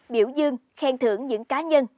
biểu dương khen thưởng những cá nhân